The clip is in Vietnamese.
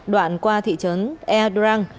đoạn qua thị trấn e drang